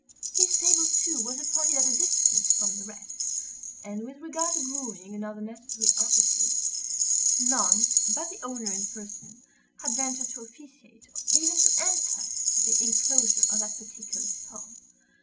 His stable, too, was appointed at a distance from the rest; and with regard to grooming and other necessary offices, none but the owner in person had ventured to officiate, or even to enter the enclosure of that particular stall.